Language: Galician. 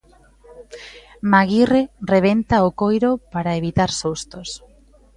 Maguire rebenta o coiro para evitar sustos.